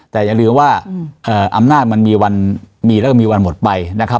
แต่อย่าลืมว่าอำนาจมันมีวันมีเลิกมีวันหมดไปนะครับ